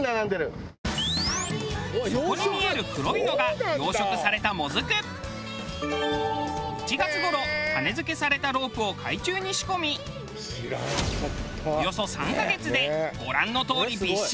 底に見える黒いのが１月頃種付けされたロープを海中に仕込みおよそ３カ月でご覧のとおりびっしり生える。